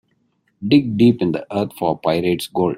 Dig deep in the earth for pirate's gold.